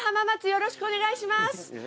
よろしくお願いします！